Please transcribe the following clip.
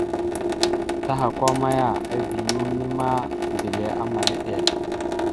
Tahakwa maya, eviyeŋa inne ma, mbile amal iɗel.